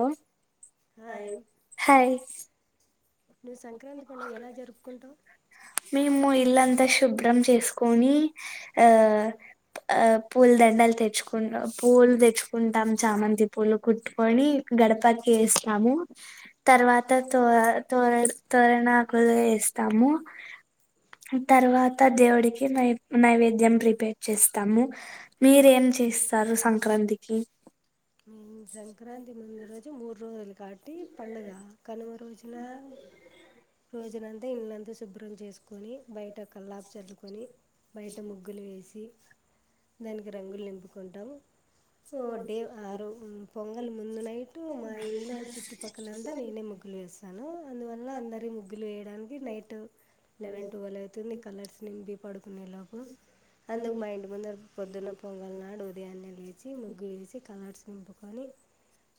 Hello hi hi నువ్వు సంక్రాంతి పండుగ ఎలా జరుపుకుంటావు మేము ఇల్లుంతా శుభ్రం చేసుకొని ఆ ఆ పూల దండలు తెచ్చుకు పూలు తెచ్చుకుంటాము చామంతి పూలు కుట్టుకొని గడపకి వేస్తాము తర్వాత తో తోర తోరణాకులు వేస్తాము తర్వాత దేవుడికి నై నైవేద్యం ప్రిపేర్ చేస్తాము మీరేం చేస్తారు సంక్రాంతికి ఉ సంక్రాంతి ముందు రోజు మూడు రోజలు [unintelligible] పుద [unintelligible] పండగ కను రోజునంతా ఇళ్ళంత శుభ్రం చేసు కొని బయట కల్లాపు చల్లుకొని బయట ముగ్గులు వేసి దానికి రంగులు నింపుకుంటాము సొ డే ఆరు పొంగలి ముందు నైట్ మా ఇండ్ల చుట్టుపక్కలంతా నేనే ముగ్గులు వేస్తాను అందువల్ల అందరి ముగ్గులు వేయడానికి నైట్ లెవెన్ ట్వల్వ్ అవుతుంది కలర్స్ నింపి పడుకునే లోపు అందుకు మా ఇంటి ముందర పొద్దున్న పొంగల్ నాడు ఉదయానె లేచి ముగ్గు వేసి కలర్స్ నింపుకొని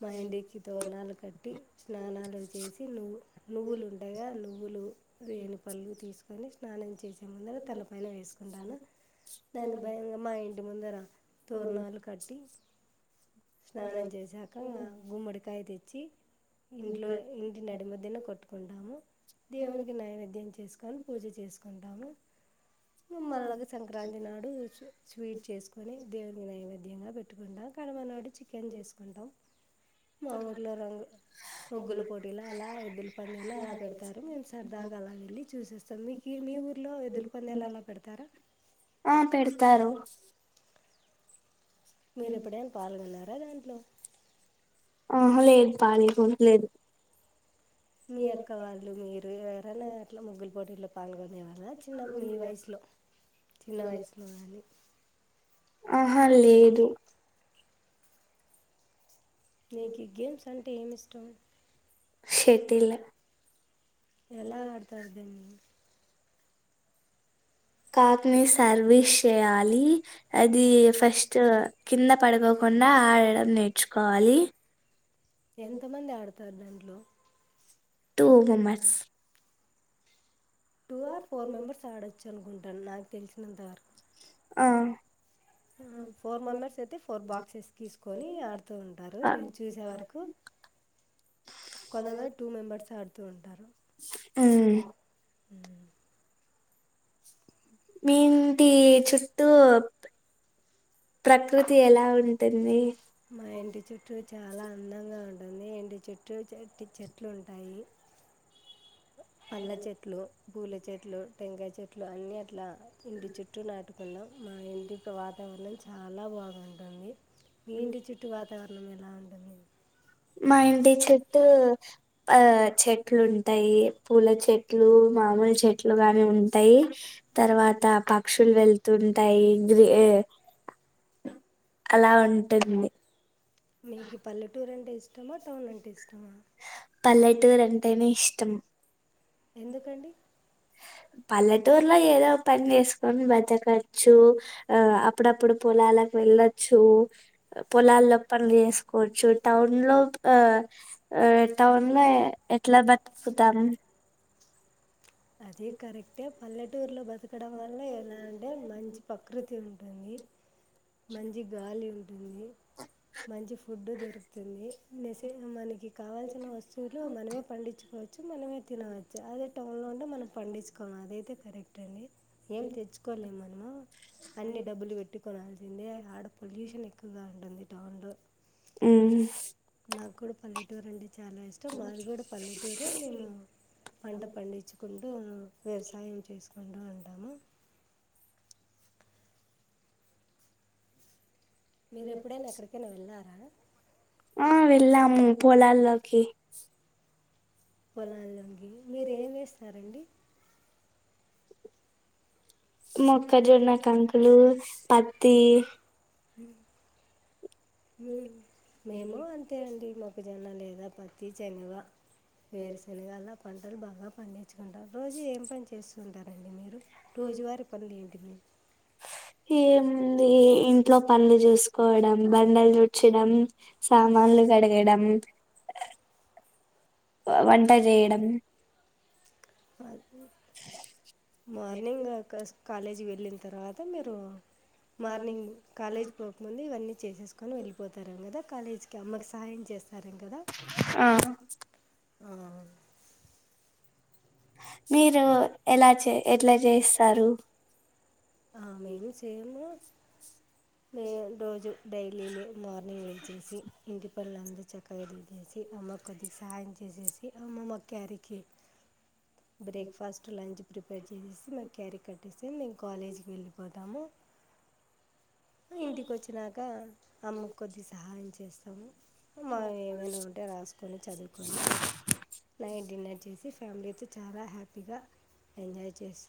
మా ఇంటికి తోరణాలు కట్టి స్నానాలు చేసి నువ్వు నువ్వులు ఉంటాయిగా నువ్వులు వేనిపళ్ళు తీసుకొని స్నానం చేసే ముందర తలపైన వేసుకుంటాను దాని భయంగా మా ఇంటి ముందర తోరణాలు కట్టి స్నానం చేసాక గుమ్మడికాయ తెచ్చి ఇంట్లో ఇంటి నడి మధ్యన కొట్టు కొంటాము దేవుని కి నైవేద్యం చె చేసుకుని పూజ చేసుకుంటాము ఇక మల్లగ సంక్రాంతి నాడు స్వీట్ చేసుకుని దేవునికి నైవేద్యంగా పెట్టుకుంటాం కనుమనాడు చికెన్ చేసుకుంటాం మా ఊర్లో రంగు ముగ్గుల పోటీలు అలా ఇలా పెడతారు మేం సర్ది దాగా అలా వెళ్ళి చూసేస్తాం మీకీ మీకు మీ ఊరిలో ఎద్దులు పందాలు అలా పెడతారా ఆ పెడతారు మీరు ఎప్పుడైనా పాల్గొన్నర అ దాంట్లో ఆహా లేదు పాల్ గోనలేదు మీ అక్క వాళ్ళు మీరు ఎవరైనా అట్లా ముగ్గులు పోటీలో పాల్ గో అవల చిన్న మీ వయసులో చిన్న వయసులో కానీ [inaudible] ఆహా లేదు నీకి గేమ్స్ అంటే ఏమి ఇస్ టమ్ శటిల్ ఎలా ఆడతారు దీన్ని కాక్ని సర్వీస్ చేయాలి అది ఫస్ట్ కింద పడుకోకుండా ఆడడం నేర్చుకోవాలి ఎంత మంది ఆడ్ డ్తరుడంట్లో two members two or four members ఆడచ్ చ్చు అనుకుంటాను నాకు తెలిసినంతవరకు ఆ ఆ ఫోర్ మెంబెర్స్ అయితే ఫోర్ బాక్సెస్ తీసుకొని ఆడుతూ ఉంటారు ఆ నేను చూసే వరకు కొంత మంది టూ మెంబెర్స్ ఆడుతూ ఉంటారు ఆ హుమ్ మీ ఇంటి చుట్టూ ప్రకృతి ఎలా ఉంటుంది మా ఇంటి చుట్టూ చాలా అందంగా ఉంటు ఉంటుంది ఎండు చెట్టు చెట్టి చెట్లు ఉంటాయి పళ్ల చెట్లు పూల చెట్లు టెంకాయ చెట్లు అన్ని అట్లా ఇంటి చుట్టూ నాటు న్నాం మా ఇంటికి వాతావరణం చాలా బాగుంటుంది మీ ఇంటి చుట్టూ వాతావరణం ఎలా ఉ మా ఇంటి చుట్టు ఆ చెట్లు ఉంటాయి పూల చెట్లు మామిడి చెట్లు గాని ఉంటాయి తర్వాత పక్షులు వెళతుంటాయి గ్రీ అలా ఉంటుంది మీకు పల్లెటూరు అంటె ఇష్టమా టౌన్ అంటే ఇష్టమా పల్లెటారు అంటేనే ఇష్టం ఎందుకండి ఊర్లో ఏదో ఒక పని చేసుకొని బతకొచ్చు ఆ అప్పుడప్పుడు పొలాలకు వెళ్ళొచ్చు పొలాల్లో పనులు చేసుకోవచ్చు టౌన్ లో ఆ టౌన్ లో ఎట్లా బతుకుతాం అదే కరెక్ట్ అయితే పల్లెటూరులో బతకడం వల్ల ఎలాఅంటే మంచి ప్రకృతి ఉంటుంది మంచి గాలి ఉంటుంది మంచి ఫుడ్ దొరుకుతుంది అనేసి హ్మ్ మనకి కావాల్సిన వస్తువులు మనమే పండించుకోవచ్చు మనమే తినవచ్చు అది మనం పండించుకోవాలం అదైతే కరెక్ట్ అండి ఏం తెచ్చుకోలే మరి అ అన్ని డబ్బులు పెట్టు కొనాల్సిందే ఆడ పొల్యూషన్ ఎక్కువగా ఉంటుంది ట్టడు హ్మ్ నాకు కూడా పల్లెటూరు అంటే చాలా ఇష్టం మాదిగూడ పల్లెటూరే మేము పంట పండించుకుంటూ వ్యవసాయం చేసుకు కొండ ఉంటాము మీరు ఎప్పుడైనా ఎక్కడికైనా వెళ్ళారా ఆ వెళ్ళాము పొలాల్లోకి పొలంలో కి మీరు ఏమి వేస్తారండి మొక్కజొన్న కంకులు పత్తి హ్మ్ మేము అంతే అండి మాకు జొన్న లేదా పత్తి [inaudible] వేరు శనగలా పంటలు బాగా పండి మీకు రోజు ఏం పని చేస్త ఉంటారండి మీరు రోజువారి పనులు ఏంటి మరి ఏముంది ఇంట్లో పన్లు చూసుకోవడం బండలు తుడచడం సామాన్లు కడగడం వంట చేయడం మీ మార్నింగ్ కాస్ కాలేజీ వెళ్ళిన తర్వాత మీరు మార్నింగ్ కాలేజ్ పోకముందు ఇవన్నీ చేసేసుకొని వెళ్ళిపోతారు కదా కాలేజ్ కి అమ్మకు సాయం చేస్తారు సరే కదా ఆ ఉ మీరు ఎలా చే ఎట్లా చేస్తారు. ఆమె ఏమి చేయలే. లే రోజు డైలీ లే మార్నింగ్ లేచెసి ఇంటి పనులంతా చక్కగా చేసేసి. అమ్మకు కొద్దిగా సాహయం చేసేసి. అమ్మమ్మ క్యారికి- బ్రేక్ పాస్ట్, లంచ్. ప్రిపేర్ చేసేసి మాకు క్యారీ కట్టేసి. మేము కాలేజ్కి. వెళ్ళిపోతాము. ఇంటికి వచ్చినాక. అమ్మకు కొద్ది సహాయం చేస్తా మావి ఏమైనా ఉంటే రాసుకొని, చదువుకొని నైట్ డిన్నర్ చేసి. ఫ్యామిలీతొ చాలా హ్యాపీగా. ఎంజాయి చేసి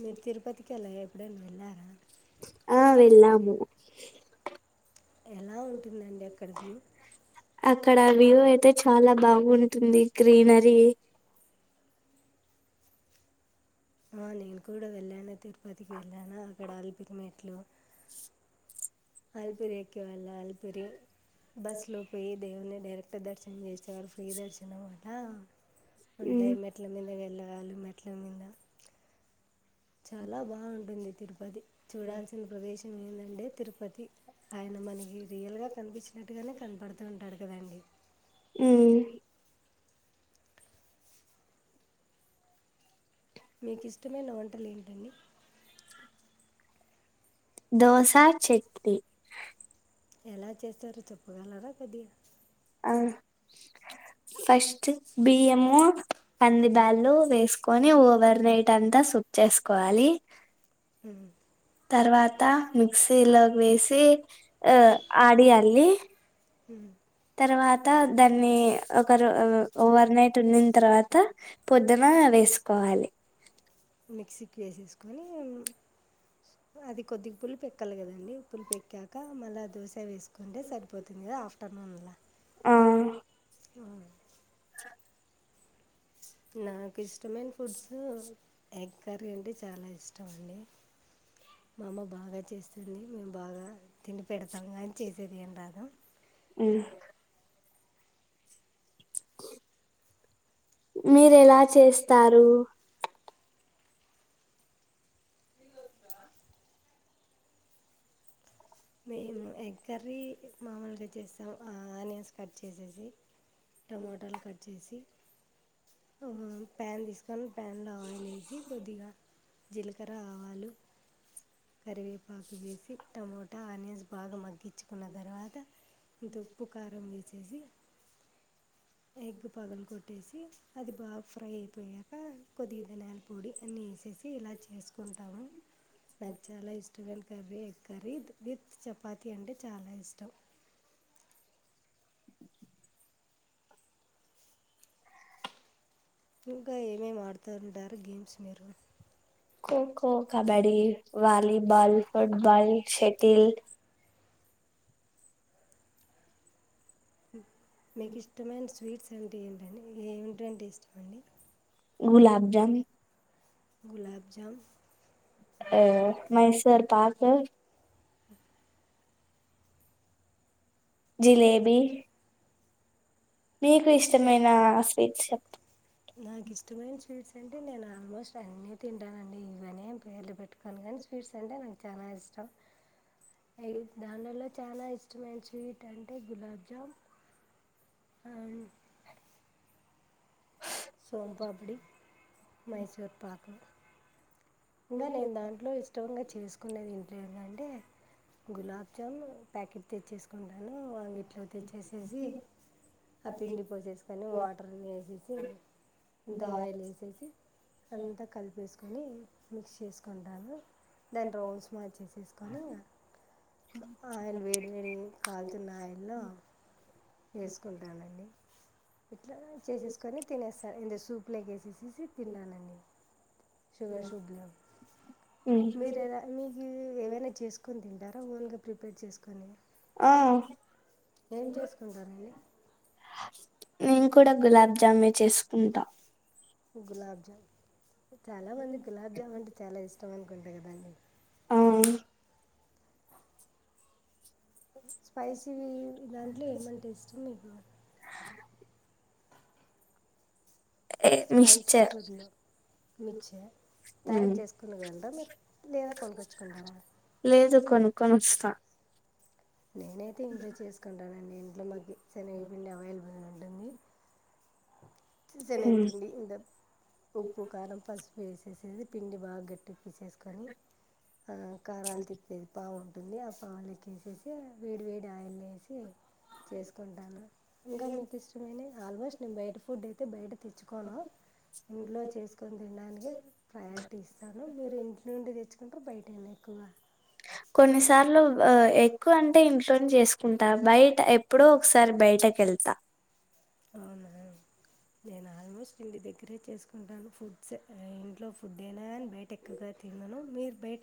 మీరు తిరుపతికి. ఎల్లరా ఎప్పుడన్నా వెళ్లారా. ఆ వెళ్ళాము. ఎలా ఉంటుందండి. అక్కడ వ్యూ అక్కడ వ్యూ అయితే చాలా బాగుంటుంది. గ్రీనరీ ఆ నేను కూడా వెళ్ళాను, తిరుపతికి వెళ్ళాను. అక్కడ అలిపిరి మెట్లు అలిపిరి ఎక్కి వెళ్లాలి. పిరి బస్ లో పోయిమ్ దేవుని డైరెక్ట్ దర్శనం చేసేవారు. ఫ్రీ దర్శనం అంటా. ఉంటాయి. మెట్ల మీద వెళ్ళా వాళ్లు మెట్ల మీద. చాలా బాగుంటుంది. తిరు పది చూడాల్సిన ప్రదేశం. ఇదెనండి తిరుపతి. ఆయన మనకి రియల్ గా కనిపించినట్టుగానే కనపడుతూ ఉంటాడు. కదా అండి. ఉ మీకు ఇష్టమైనా వం వంటలు ఏంటండీ. దోశా, చెట్నీ ఎలా చేస్తారు. చెప్పగలరా కొద్ది గా ఆ ఫస్ట్ బియ్యము కంది బ్యాళ్ళు వేసుకొని ఓవర్ నైట్ అంతా సుక్ చేసుకోవాలి. హ్మ్ తర్వాత మిక్సీలో వేసి ఆ ఆడియాలి [inaudible] తర్వాత దాన్ని ఒకరో ఓవర్ నైట్ ఉన్నిన తర్వాత పొద్దున వేసుకోవాలి మిక్సీకి వేసేసుకొని అది కొద్దిగా పుల్పేక్కాలి కదండి పుల్ పెక్కాక మళ్ళీ ఆ దోశ వేస్ కుంటే సరిపోతుంది కదా ఆఫ్ [inaudible] ఆ ఆ నా కిష్ స్టమైన ఫుడ్స్ ఎగ్ కర్రీ అంటే చాలా ఇష్టం అండి మా అమ్మ బాగా చేస్తుంది మేము బాగా తిండి పెడతాం అని చేస్ [inaudible] మ్ మీరు ఎలా చేస్తారు. మేము ఎగ్ కర్రీ మామూల్గా చేస్తాం ఆనియన్స్ కట్ చేసేసి టమాటాలు కట్ చేసి ఆహ పాన్ తీస్కో ప్యాన్లో ఆయిల్ ఏసి కొద్దిగా జీలకర్ర, ఆవాలు, కరివేపాకు వేసి టమ టా ఆనియన్స్ నాగ మగ్ చ్చుకున్న తర్వాత ఇంత ఉప్పు, కారం వేసేసి ఎగ్ పలగొట్ ట్టేసి అది బాగా ఫ్రై అయి పోయాక కొద్దిగా ధనియాల పొడి అన్నీ ఏసేసి ఇలా చేసుకుంటాము నాకు చాలా ఇష్టమ అండి కర్రీ ఎ కర్రీ విత్ చపాతి అంటే చాలా ఇష్టం ఇంకా ఏమేం ఆడుతూ ఉంటారు గేమ్స్ మీరు kho kho, kabaddi, volleyball, football, shuttle మీకు ఇష్టమైన స్వీట్స్ అంటే ఏంటండి ఏమింటంటే ఇష్టంమండి గులాబ్జామ్ గులాబ్ జామ్ ఆ మైసూర్ పాకు జిలేబీ మీకు ఇష్టమైన స్వీట్స్ చెప్ నాకు ఇష్టమైన స్వీట్స్ అంటే నేను ఆల్మోస్ట్ అన్నీ తింటానండి. ఇవన్నీ పేర్లు పెట్టుకోను కానీ స్వీట్స్ అంటే నాకు చాలా ఇష్టం. ఏ దాంలో చాలా ఇష్టమైన స్వీట్ అంటే గులాబ్ జామ్ అండ్ సోంపాపుడి, మైసూర్ పాక్ ఇంకా నేను దాంట్లో ఇష్టంగా చేసుకునేది ఇంట్లో అంటే గులాబ్ జామ్ ప్యాకెట్ తెచ్చేసుకో అంగిట్లో తెచ్చేసేసి ఆ పిండి పోసేసుకోని వాటర్ అన్ని ఎసేసి అంతా ఆయిల్ ఎసేసి అంతా కలిపేసు కోనీ మిక్స్ చేసుకుంటాను. దాన్ని రౌండ్స్ మార్చేసేసుకొని ఆయిల్ వేడివేడి కాలుతున్న ఆయిల్లో వేసుకుంటానండి. ఇట్లా చేసేసుకొని తినేస్తారు ఇంద సూప్ లేగేసేసిసి తిండాలండి. శుగర్శు గుడ్ లక్ మీరుచేయ్ మీకు ఏవైనా చేసుకొని తింటారా ఓన్గా ప్రిపేర్ చేసుకొని ఆ ఏం చేసుకుంటారండి. నేను కూడా గులాబ్ జామే చేసుకుంటా గులాబ్ జామ్ చాలా మందికి గులాబ్ జామ్ అంటే చాలా ఇష్ ఇష్టం అనుకుంట కదండి. అవును. స్పైసీ దాంట్లో ఏమన్న టేస్ట్ ఉన్నదా ఏ మిచ్చర్ మిచ్చే తయారు చేసుకుని వెళ మీరు లేదా కొనుకొచ్చుకున్నార కొనుక్కోనొస్తా నేనైతే ఎంజాయ్ చేసుకుంటాన నేను నమ్మాగీ శనగపిండి అవైలబుల్ న్ శనగపిండి ఇంత ఉప్పు కారం పసుపు వేసి వేసేది పిండి బాగ్ గట్టిగా తీసేసుకొని ఆ కారాలు తిప్పేది పావు ఉంటుంది ఆ పావులేకేసేసి వేడి వేడి ఆయిల్లో వేసి చేసుకుంటాను ఇంకా మీకు ఇష్టమైన ఆల్మోస్ట్ నేన్ బయట ఫుడ్ అయితే బైట తెచ్చుకోను ఇంట్లో చేసుకోని తినడానికి ప్రయారిటీ ఇస్తాను మీరు ఇంటి నుండి తెచ్చుకు ట్రూ బయటేనా ఎక్కువగా కొన్నిసార్లు ఎక్కువ అంటే ఇంట్లోనే చేసుకుంటా బయట ఎప్పుడో ఒకసారి బయటకెళ్తా అవునా నేను ఆల్మోస్ట్ ఇంటి దగ్గరే చేసుకుంటాను ఫుడ్స్ ఇంట్లో ఫుడ్ అని బయట ఎక్కువగా తిన్నాను మీరు బయట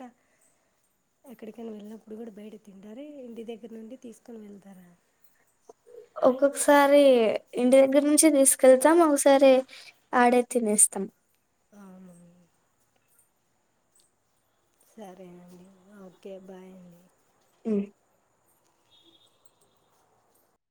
ఎక్కడికైనా వెళ్ళినప్పుడు కూడా బయట తింటారు ఇంటి దగ్గర నుండి తీసుకొని వెళ్తారా ఒక్కొక్కసారి ఇంటి దగ్గర నుంచి తీసుకెళ్తాం ఒకసారి ఆడే తినేస్తాం అవునా సరే అండి ఓకే బాయ్ అండి హ్మ్మ్